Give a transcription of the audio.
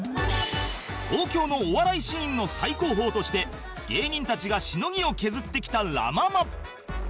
東京のお笑いシーンの最高峰として芸人たちがしのぎを削ってきたラ・ママ